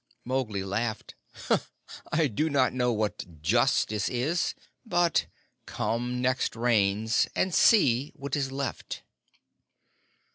Mowgli laughed. "I do not know what justice is, but come next Rains and see what is left."